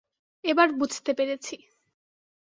এবার বুঝতে পেরেছি।